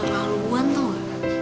ini tuh udah keseluruhan tuh